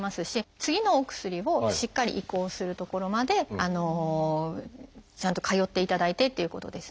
次のお薬をしっかり移行するところまでちゃんと通っていただいてっていうことですね。